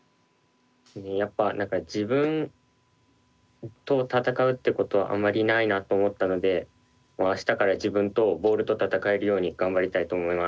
やっぱ何か自分と戦うってことはあまりないなと思ったので明日から自分とボールと戦えるように頑張りたいと思います。